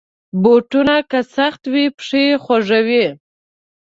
بوټونه که سخت وي، پښه خوږوي.